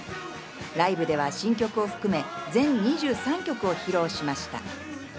ライブでは新曲を含め、全２３曲を披露しました。